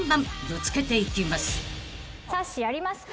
さっしーありますか？